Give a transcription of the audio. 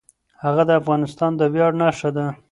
هغه د افغانستان د ویاړ نښه ده.